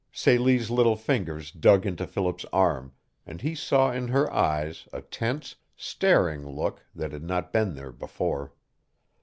Celie's little fingers dug into Philip's arm and he saw in her eyes a tense, staring look that had not been there before.